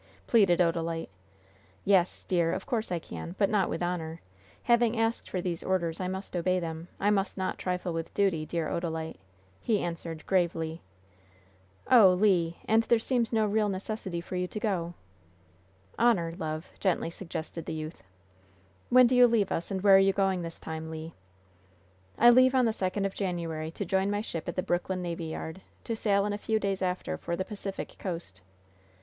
pleaded Odalite. "Yes, dear, of course I can, but not with honor. Having asked for these orders, I must obey them. I must not trifle with duty, dear Odalite," he answered, gravely. "Oh, Le, and there seems no real necessity for you to go!" "Honor, love," gently suggested the youth. "When do you leave us, and where are you going this time, Le?" "I leave on the second of January, to join my ship at the Brooklyn Navy Yard, to sail in a few days after for the Pacific coast."